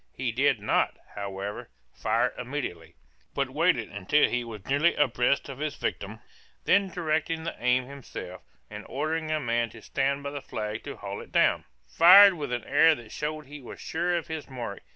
He did not, however, fire immediately, but waited until he was nearly abreast of his victim; then directing the aim himself, and ordering a man to stand by the flag to haul it down, fired with an air that showed he was sure of his mark.